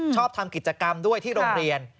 ชอบทำกิจกรรมด้วยที่โรงเรียน